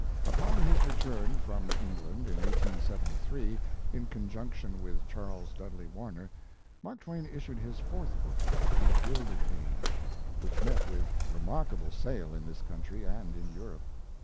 Upon his return from England in 1873, in conjunction with Charles Dudley Warner, Mark Twain issued his fourth book, "The Gilded Age," which met with remarkable sale in this country and in Europe.